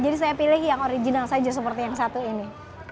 jadi saya pilih yang original saja seperti yang satu ini